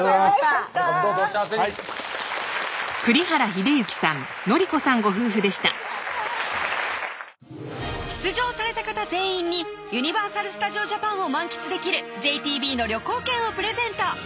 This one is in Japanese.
これからもどうぞお幸せにはい出場された方全員にユニバーサル・スタジオ・ジャパンを満喫できるＪＴＢの旅行券をプレゼント